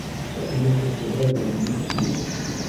سأنظّف هذا بنفسي.